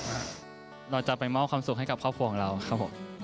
เราจะไปเมาค์ความสุขให้กับครอบครัวของเรา